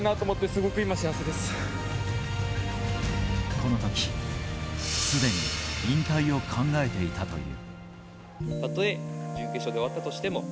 この時、すでに引退を考えていたという。